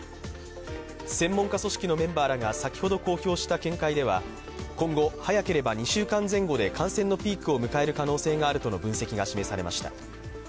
専門家組織のメンバーらが先ほど公表した見解では今後、早ければ２週間前後で感染のピークを迎える可能性があるとの分析が示されました。